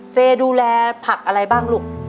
เฟย์ดูแลผักอะไรบ้างลูก